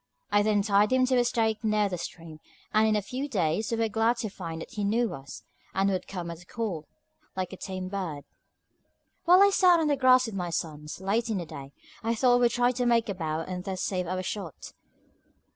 I then tied him to a stake near the stream; and in a few days we were glad to find that he knew us, and would come at a call, like a tame bird. While I sat on the grass with my sons, late in the day, I thought I would try to make a bow and thus save our shot.